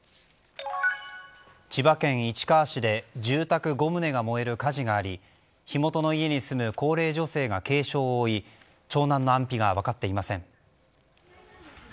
千葉県市川市で住宅５棟が燃える火事があり火元の家に住む高齢女性が軽傷を負い長男の安否が分かっていません。